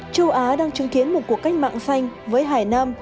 châu á đang chứng kiến một cuộc cách mạng xanh với hải nam